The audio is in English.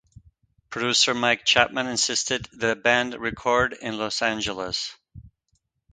Producer Mike Chapman insisted the band record in Los Angeles.